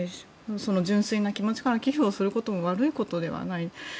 純粋な気持ちから寄付をすることも悪いことではない。